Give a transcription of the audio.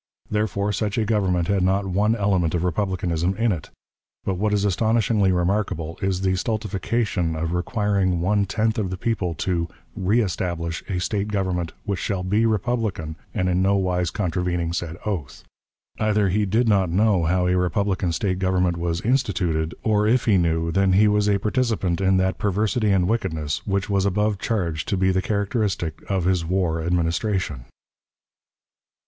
Therefore, such a government had not one element of republicanism in it. But what is astonishingly remarkable is the stultification of requiring the one tenth of the people to "reestablish a State government, which shall be republican and in no wise contravening said oath." Either he did not know how a republican State government was "instituted," or, if he knew, then he was a participant in that perversity and wickedness, which was above charged to be the characteristic of his war Administration.